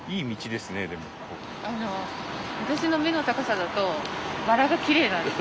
私の目の高さだとバラがきれいなんです。